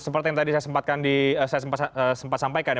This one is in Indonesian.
seperti yang tadi saya sempat sampaikan